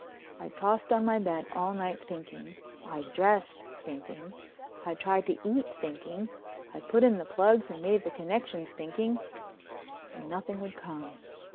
I'd tossed on my bed all night thinking, I'd dressed thinking, I'd tried to eat thinking, I'd put in the plugs and made the connections thinking—and nothing would come.